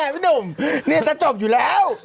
พี่หนุ่มนี่จะจบอยู่แล้ว